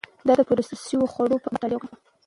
ما د پروسس شوو خوړو په اړه مطالعه وکړه.